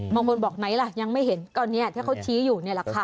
บางคนบอกไหนล่ะยังไม่เห็นก็เนี่ยที่เขาชี้อยู่นี่แหละค่ะ